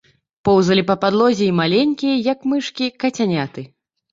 Поўзалі па падлозе і маленькія, як мышкі, кацяняты.